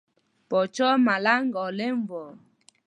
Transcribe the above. پاچا ملنګ عالم وو.